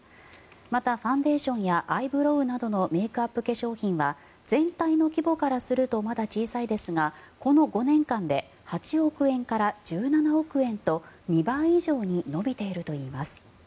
また、ファンデーションやアイブローなどのメイクアップ化粧品は全体の規模からするとまだ小さいですがこの５年間で８億円から１７億円と２倍以上に伸びているといいます。